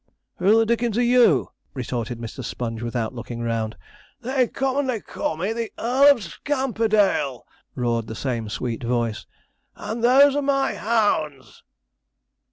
'Who the Dickens are you?' retorted Mr. Sponge, without looking round. 'They commonly call me the EARL OF SCAMPERDALE,' roared the same sweet voice, 'and those are my hounds.'